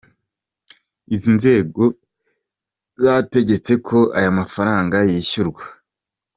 Izi nzego zategetse ko aya mafaranga yishyurwa.